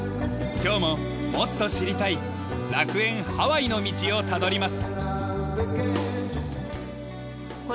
今日ももっと知りたい楽園ハワイの道をたどります。